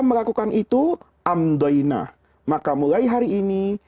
melakukan itu amdainah maka mulai hari ini